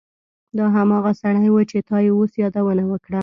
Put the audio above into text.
دا هماغه سړی و چې تا یې اوس یادونه وکړه